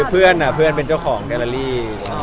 เพื่อนเพื่อนเป็นเจ้าของแกลลารี่